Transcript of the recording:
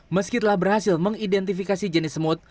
meskipun berhasil mengidentifikasi jenis semut